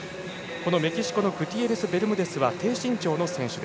メキシコのグティエレスベルムデスは低身長の選手。